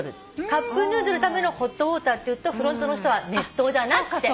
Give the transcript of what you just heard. カップヌードルのためのホットウオーターって言うとフロントの人は熱湯だなって思うから。